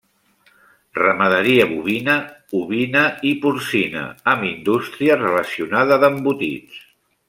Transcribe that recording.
Ramaderia bovina, ovina i porcina amb indústria relacionada d'embotits.